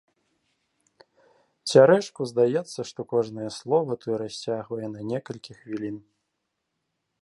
Цярэшку здаецца, што кожнае слова той расцягвае на некалькі хвілін.